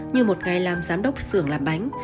như một ngày làm giám đốc xưởng làm bánh